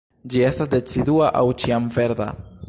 Ĝi estas decidua aŭ ĉiamverda.